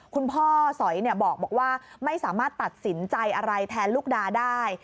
คุณพ่อสอยบอกว่าไม่สามารถตัดสินใจอะไรแทนลูกดาได้